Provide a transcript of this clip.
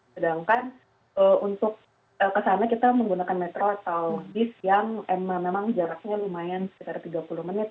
sedangkan untuk kesana kita menggunakan metro atau bis yang memang jaraknya lumayan sekitar tiga puluh menit